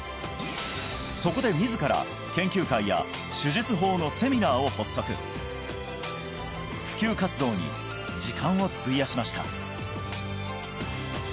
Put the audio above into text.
そこで自ら研究会や手術法のセミナーを発足普及活動に時間を費やしました